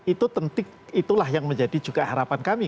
itu tentu itulah yang menjadi juga harapan kami